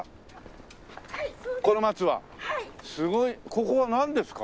ここはなんですか？